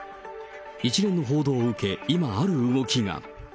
一連の報道を受け、今、ある動きが。